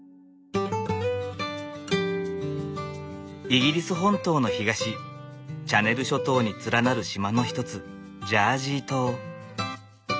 イギリス本島の東チャネル諸島に連なる島の一つジャージー島。